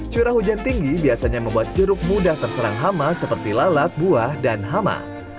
curah hujan tinggi biasanya membuat jeruk mudah terserang hama seperti lalat buah dan hama